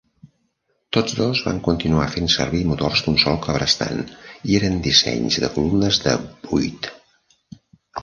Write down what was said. Tots dos van continuar fent servir motors d'un sol cabrestant i eren dissenys de columnes de buit.